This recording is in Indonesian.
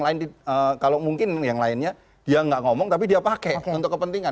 tapi apa dipakai kalau mungkin yang lainnya dia enggak ngomong tapi dia pakai untuk kepentingan